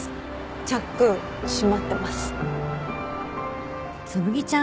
チャック閉まってます。